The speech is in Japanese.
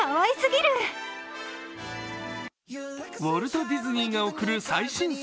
ウォルト・ディズニーが贈る最新作、